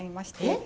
えっ？